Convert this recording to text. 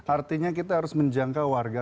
artinya kita harus menjangkau warga